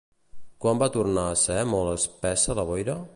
Quan va tornar a ser molt espessa la boira?